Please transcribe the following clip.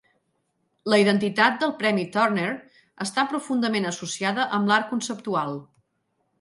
La identitat del premi Turner està profundament associada amb l'art conceptual.